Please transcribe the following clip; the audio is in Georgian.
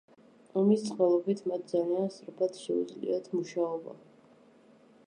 ამის წყალობით მათ ძალიან სწრაფად შეუძლიათ მუშაობა.